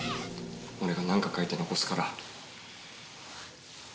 俺がなんか書いて残すから。